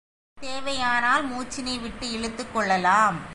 தேவையானால் மூச்சினை விட்டு விட்டு இழுத்துக் கொள்ளலாம்.